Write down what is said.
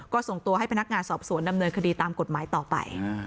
ก็ส่งตัวให้พนักงานสอบสวนดำเนินคดีตามกฎหมายต่อไป